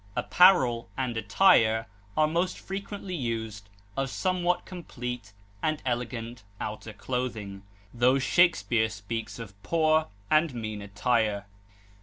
Apparel and attire are most frequently used of somewhat complete and elegant outer clothing, tho Shakespeare speaks of "poor and mean attire."